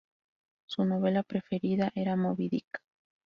Su novela preferida era "Moby Dick".